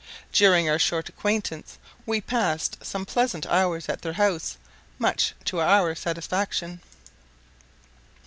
During our short acquaintance, we passed some pleasant hours at their house, much to our satisfaction.